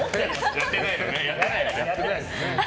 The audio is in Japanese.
やってないです。